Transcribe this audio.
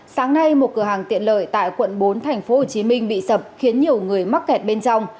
sáng nay một cửa hàng tiện lợi tại quận bốn tp hcm bị sập khiến nhiều người mắc kẹt bên trong